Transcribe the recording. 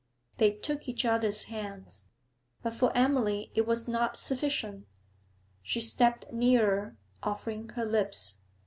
They took each other's hands, but for Emily it was not sufficient; she stepped nearer, offering her lips.